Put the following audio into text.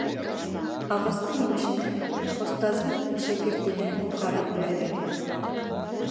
Ағасты емешенә, остазын шәкертенә ҡарап беләләр.